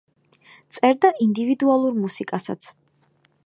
წერდა ინდივიდუალურ მუსიკასაც.